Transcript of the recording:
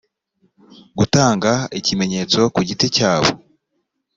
gutanga ikimenyetso ku giti cyabo